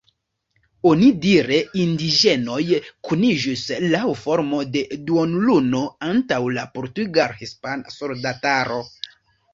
Onidire indiĝenoj kuniĝis laŭ formo de duonluno antaŭ la portugal-hispana soldataro.